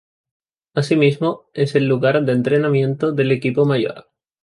Asimismo es el lugar de entrenamiento del equipo mayor.